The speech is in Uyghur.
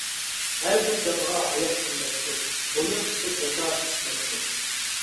ھەر بىر جانغا ھايات قىممەتتۇر، بويۇن قىسىپ ياشاش قىسمەتتۇر.